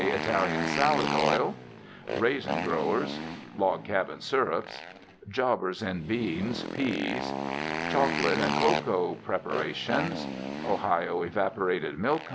Italian Salad Oil," "Raisin Growers," "Log Cabin Syrups," "Jobbers in Beans, Peas," "Chocolate and Cocoa Preparations," "Ohio Evaporated Milk Co.